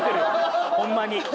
ホンマに。